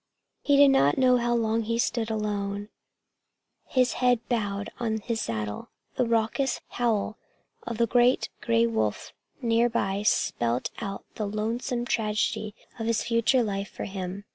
He did not know how long he stood alone, his head bowed on his saddle. The raucous howl of a great gray wolf near by spelled out the lonesome tragedy of his future life for him.